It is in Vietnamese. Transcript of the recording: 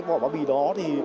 vỏ bao bì đó